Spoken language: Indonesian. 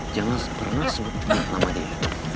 jangan pernah sebut nama dia